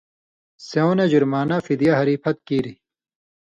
سېوں نہ جُرمانہ (فِدیہ) ہری پھت کیریۡ۔